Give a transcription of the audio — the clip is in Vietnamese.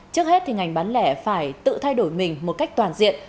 trước hết thì ngành bán lẻ phải tự thay đổi mình một cách toàn diện